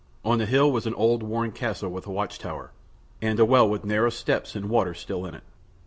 On the hill was an old worn castle with a watch tower, and a well with narrow steps and water in it still.